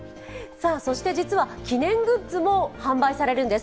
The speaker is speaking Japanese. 実は記念グッズも販売されるんです。